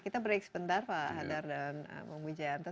kita break sebentar pak hadar dan munggu jayanto